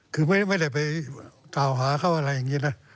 คือไม่ได้ไปกล่าวหาเขาอะไรอย่างนี้นะ